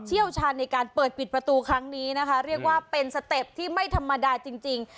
ชาญในการเปิดปิดประตูครั้งนี้นะคะเรียกว่าเป็นสเต็ปที่ไม่ธรรมดาจริง